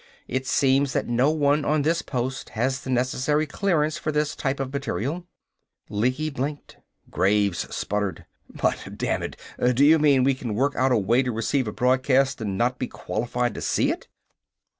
It seems that no one on this post has the necessary clearance for this type of material." Lecky blinked. Graves sputtered: "But dammit, do you mean we can work out a way to receive a broadcast and not be qualified to see it?"